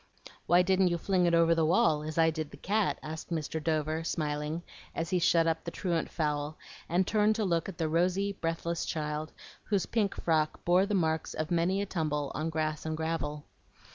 "Why didn't you fling it over the wall, as I did the cat?" asked Mr. Dover, smiling, as he shut up the truant fowl, and turned to look at the rosy, breathless child, whose pink frock bore the marks of many a tumble on grass and gravel.